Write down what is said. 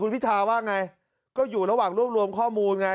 พิธาว่าไงก็อยู่ระหว่างรวบรวมข้อมูลไง